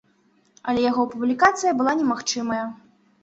Але яго публікацыя была немагчымая.